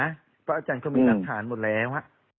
เพราะอาจารย์ก็จะมีรัฐฐานหมดแล้ว